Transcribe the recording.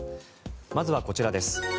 まずはこちらです。